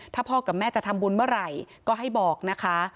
ถ้าพ่อกับแม่จะทำบุญเมื่อไหร่ก็ให้บอกนะคะ